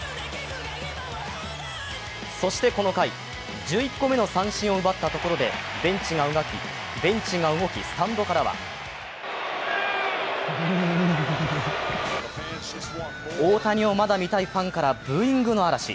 そして、この回、１１個目の三振を奪ったところでベンチが動き、スタンドからは大谷をまだ見たいファンからブーイングの嵐。